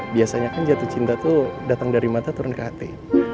biasanya kan jatuh cinta tuh datang dari mata turun ke hati